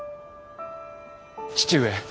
父上。